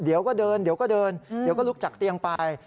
เดี๋ยวก็เดินเดี๋ยวก็เดินเดี๋ยวก็ลุกจากเตียงไป